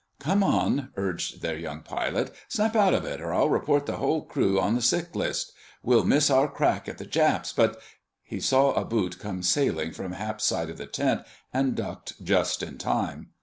"Come on!" urged their young pilot. "Snap out of it or I'll report the whole crew on the sick list. We'll miss our crack at the Japs, but—" He saw a boot come sailing from Hap's side of the tent, and ducked just in time.